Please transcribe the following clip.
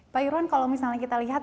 pak iron kalau misalnya kita lihat